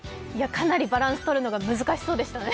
かなりバランスとるのが難しそうでしたね。